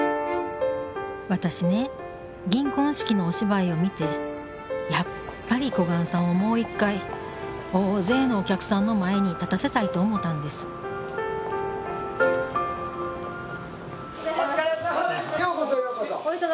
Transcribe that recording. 私ね銀婚式のお芝居を見てやっぱり小雁さんをもう一回大勢のお客さんの前に立たせたいと思たんですお疲れさまです。